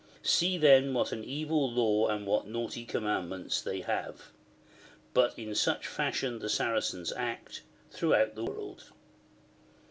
See then what an evil law and what naughty commandments they have ! But in such fashion the Saracens act, throuohout the world.